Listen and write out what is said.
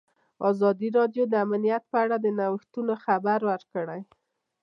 ازادي راډیو د امنیت په اړه د نوښتونو خبر ورکړی.